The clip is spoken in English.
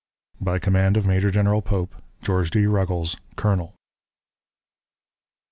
... "By command of Major General Pope: "GEORGE D. RUGGLES, _Colonel.